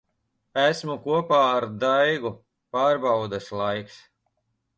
Esmu kopā ar Daigu. Pārbaudes laiks.